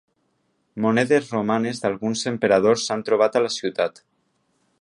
Monedes romanes d'alguns emperadors s'han trobat a la ciutat.